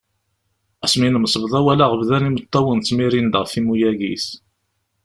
Ass mi nemsebḍa walaɣ bdan imeṭṭawen ttmirin-d ɣef imuyag-is.